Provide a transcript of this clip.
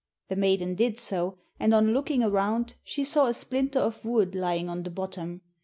The maiden did so, and on looking around she saw a splinter of wood lying on the bottom.